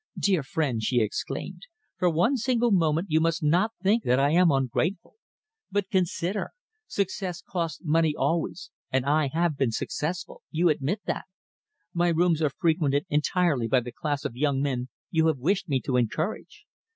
"Dear friend," she exclaimed, "for one single moment you must not think that I am ungrateful! But consider. Success costs money always, and I have been successful you admit that. My rooms are frequented entirely by the class of young men you have wished me to encourage.